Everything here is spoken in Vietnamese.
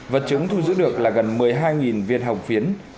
vật chứng thu giữ được là gần một mươi hai viên hồng phiến